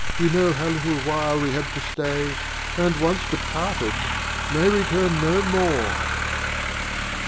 "You know how little while we have to stay, "And, once departed, may return no more."